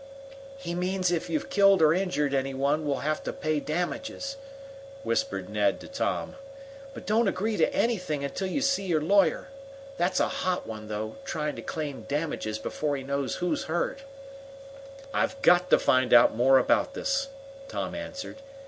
"He means if we've killed or injured any one we'll have to pay damages," whispered Ned to Tom. "But don't agree to anything until you see your lawyer. That's a hot one, though, trying to claim damages before he knows who's hurt!" "I've got to find out more about this," Tom answered.